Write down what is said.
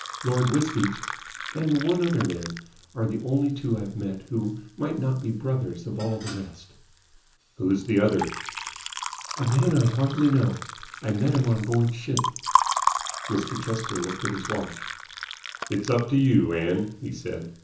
Lord Wisbeach and one other man are the only two I've met who might not be the brothers of all the rest." "Who's the other?" "A man I hardly know. I met him on board ship " Mr. Chester looked at his watch. "It's up to you, Ann," he said.